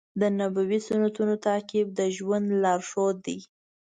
د نبوي سنتونو تعقیب د ژوند لارښود دی.